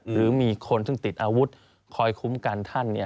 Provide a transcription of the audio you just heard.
หรือมีคนซึ่งติดอาวุธคอยคุ้มกันท่าน